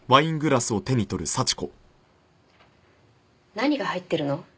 何が入ってるの？